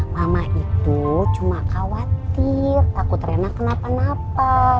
mama itu cuma khawatir takut renang kenapa napa